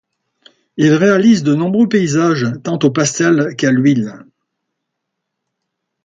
Il réalise de nombreux paysages tant au pastel, qu'à l'huile.